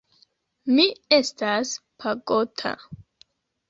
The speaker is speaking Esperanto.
Mi estas pagota.